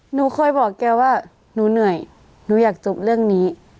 หนูเคยบอกแกว่าหนูเหนื่อยหนูอยากจบเรื่องนี้